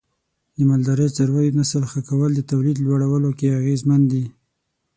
د مالدارۍ د څارویو نسل ښه کول د تولید لوړولو کې اغیزمن دی.